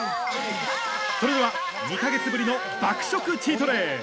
それでは２か月ぶりの爆食チートデイ